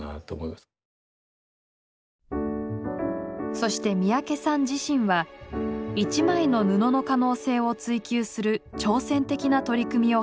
そして三宅さん自身は「一枚の布」の可能性を追究する挑戦的な取り組みを始めます。